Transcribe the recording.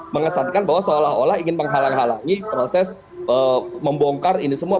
mengesankan bahwa seolah olah ingin menghalang halangi proses membongkar ini semua